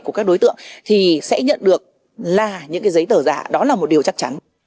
của các đối tượng thì sẽ nhận được là những cái giấy tờ giả đó là một điều chắc chắn